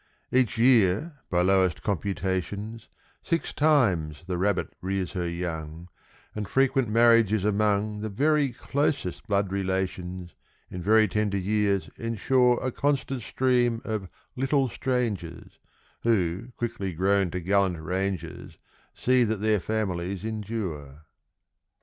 = Each year, by lowest computations, Six times the rabbit rears her young, And frequent marriages among The very closest blood relations In very tender years ensure A constant stream of "little strangers," Who, quickly grown to gallant rangers, See that their families endure.